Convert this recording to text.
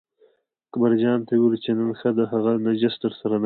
اکبرجان ته یې وویل چې نن ښه ده هغه نجس درسره نشته.